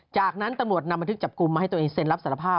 จากนั้นตำรวจนำบันทึกจับกลุ่มมาให้ตัวเองเซ็นรับสารภาพ